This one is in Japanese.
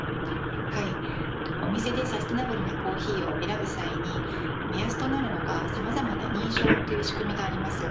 お店でサステナブルなコーヒーを選ぶ際に目安となるのがさまざまな認証という仕組みがあります。